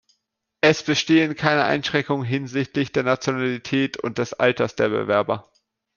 Es bestehen keine Einschränkungen hinsichtlich der Nationalität und des Alters der Bewerber.